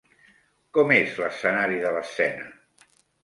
Com és l'escenari de l'escena?